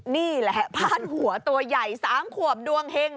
นี่แหละพาดหัวตัวใหญ่๓ขวบดวงเห็ง